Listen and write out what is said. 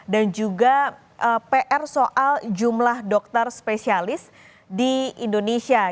dan juga pr soal jumlah dokter spesialis di indonesia